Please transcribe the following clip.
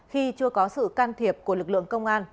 khi chưa có sự can thiệp của lực lượng